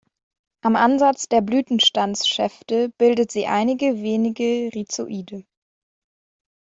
Am Ansatz der Blütenstandsschäfte bildet sie einige wenige Rhizoide.